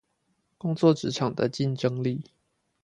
工作職場的競爭力